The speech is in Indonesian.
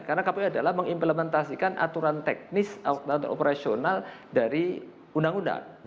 karena kpu adalah mengimplementasikan aturan teknis atau operasional dari undang undang